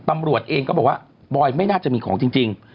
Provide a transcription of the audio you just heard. ตำรวจเองก็บอกว่าบอยไม่น่าจะมีของจริง